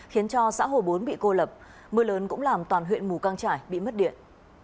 khiến cho xã hồ bốn bị cô lập mưa lớn cũng làm toàn huyện mù căng trải bị mất điện